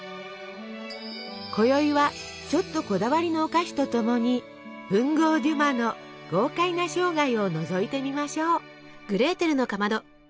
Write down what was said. こよいはちょっとこだわりのお菓子とともに文豪デュマの豪快な生涯をのぞいてみましょう！